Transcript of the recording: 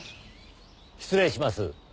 失礼します。